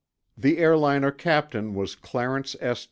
The airliner captain was Clarence S.